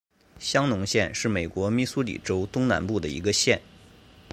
香农县是美国密苏里州东南部的一个县。